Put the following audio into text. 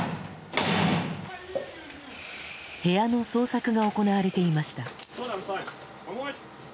部屋の捜索が行われていました。